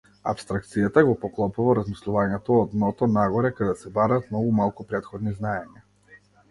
Апстракцијата го поклопува размислувањето од дното-нагоре каде се бараат многу малку претходни знаења.